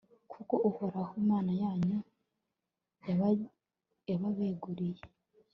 kuko uhoraho, imana yanyu, yababeguriye